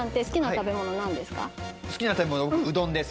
好きな食べ物うどんです・